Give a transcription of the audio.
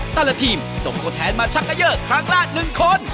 แต่ละทีมส่งตัวแทนมาชักเกยอร์ครั้งละ๑คน